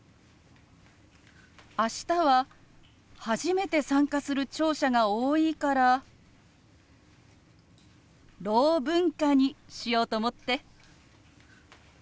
明日は初めて参加する聴者が多いから「ろう文化」にしようと思って。